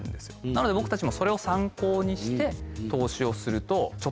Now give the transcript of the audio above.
なので僕たちもそれを参考にして投資をすると。